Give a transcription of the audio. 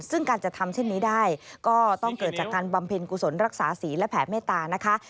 ซึ่งการจะทำเช่นนี้ได้ก็ต้องเกิดจากการบำเพ็ญกุศลรักษาศรีและแผ่เมตตานะคะ